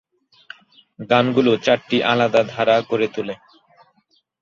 গান গুলো চারটি আলাদা ধারা গড়ে তোলে।